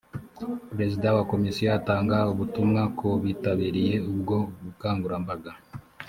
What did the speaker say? perezida wa komisiyo atanga ubutumwa ku bitabiriye ubwo bukangurambaga